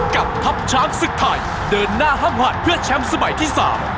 กับทัพช้างศึกไทยเดินหน้าห้ามหัดเพื่อแชมป์สมัยที่สาม